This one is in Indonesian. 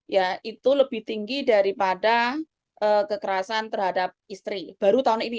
ya itu lebih tinggi daripada kekerasan terhadap istri baru tahun ini